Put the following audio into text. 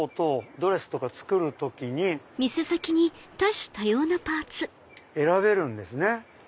ドレスとか作る時に選べるんですね。